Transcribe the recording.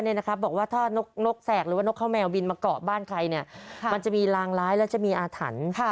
บอกว่าถ้านกแสกหรือว่านกข้าวแมวบินมาเกาะบ้านใครมันจะมีลางร้ายและจะมีอาถรรพ์